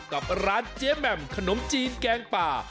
กับร้านเจ๊แหม่มขนมจีนแกงป่า